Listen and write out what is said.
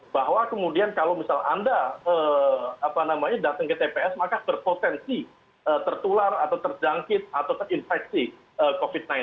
bahwa kemudian kalau misal anda datang ke tps maka berpotensi tertular atau terjangkit atau terinfeksi covid sembilan belas